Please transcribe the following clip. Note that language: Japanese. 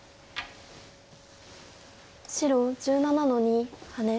白１７の二ハネ。